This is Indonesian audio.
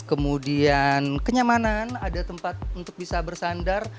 kemudian kenyamanan ada tempat untuk bisa bersandar